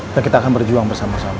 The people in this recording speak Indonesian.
dan kita akan berjuang bersama sama